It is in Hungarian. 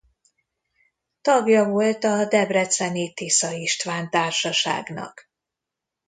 Tagja volt a debreceni Tisza István Társaságnak.